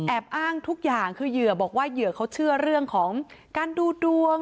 อ้างทุกอย่างคือเหยื่อบอกว่าเหยื่อเขาเชื่อเรื่องของการดูดวง